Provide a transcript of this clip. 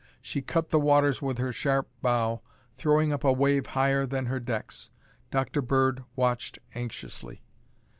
She cut the waters with her sharp bow, throwing up a wave higher than her decks. Dr. Bird watched anxiously.